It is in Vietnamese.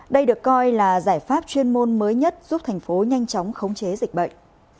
đây được coi là giải pháp chuyên môn mới nhất giúp thành phố nhanh chóng khống chế dịch bệnh